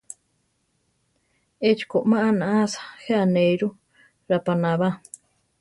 Échi ko, má naʼása, je anéiru: rapaná ba.